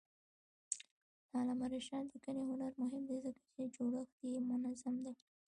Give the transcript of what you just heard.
د علامه رشاد لیکنی هنر مهم دی ځکه چې جوړښت یې منظم دی.